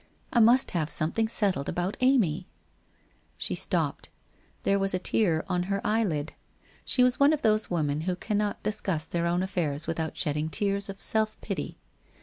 I must have something settled about Amy !' She stopped. There was a tear on her eyelid; she was one of those women who cannot discuss their own affairs without shedding tears of self pity.